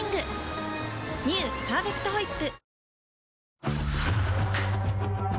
「パーフェクトホイップ」